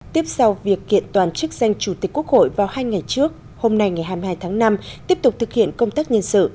tiếp sau việc kiện toàn chức danh chủ tịch quốc hội vào hai ngày trước hôm nay ngày hai mươi hai tháng năm tiếp tục thực hiện công tác nhân sự